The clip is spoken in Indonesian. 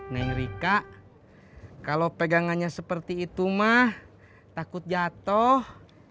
neng rika kalau pegangannya seperti itu mah takut jatuh